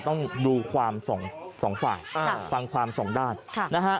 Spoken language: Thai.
ต้องดูความส่องฝ่ายฟังความส่องด้าน